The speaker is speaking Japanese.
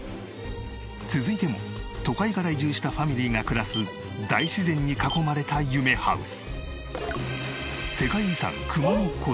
続いても都会から移住したファミリーが暮らす大自然に囲まれた夢ハウス。